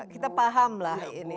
kita paham lah ini